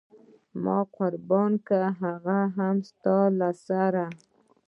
ما قربان کړ هغه هم د ستا له سره.